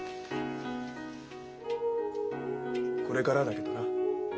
これからだけどな。